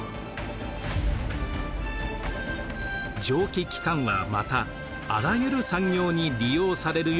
蒸気機関はまたあらゆる産業に利用されるようになります。